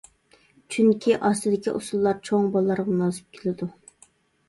چۈنكى ئاستىدىكى ئۇسۇللار چوڭ بالىلارغا مۇناسىپ كېلىدۇ.